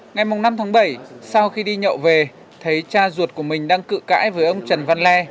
ngày năm tháng bảy sau khi đi nhậu về thấy cha ruột của mình đang cự cãi với ông trần văn le